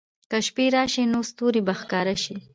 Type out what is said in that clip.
که شپې راشي، نو ستوري به ښکاره شي.